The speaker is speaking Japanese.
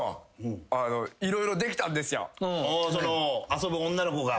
遊ぶ女の子が？